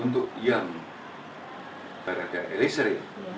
untuk yang barada eliezeri